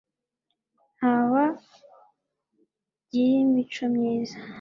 Nta wagirimico myiza